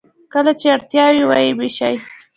کله چې اړتیا وي و یې ویشي.